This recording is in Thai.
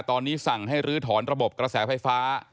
ตอนนี้สั่งให้ลื้อถอนระบบกระแสไฟฟ้า